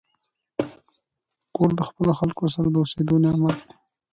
کور د خپلو خلکو سره د اوسېدو نعمت دی.